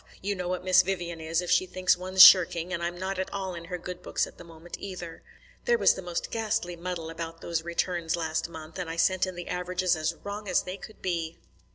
You know what Miss Vivian is, if she thinks one's shirking, and I'm not at all in her good books at the moment, either. There was the most ghastly muddle about those returns last month, and I sent in the averages as wrong as they could be."